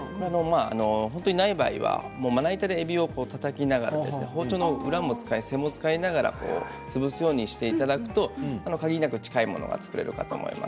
本当にない場合にはまな板で、えびをたたきながら包丁の裏を使って背を使いながら潰すようにすると限りなく近いものが作れると思います。